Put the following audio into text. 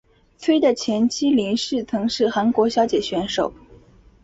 崔的前妻林氏曾是韩国小姐选手。